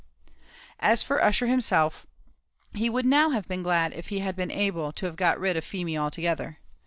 As for Ussher himself, he would now have been glad if he had been able to have got rid of Feemy altogether.